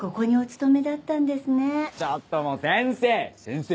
ちょっともう先生！